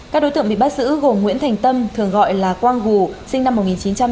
các đối tượng bị bắt giữ gồm nguyễn thành tâm thường gọi là quang gù sinh năm một nghìn chín trăm tám mươi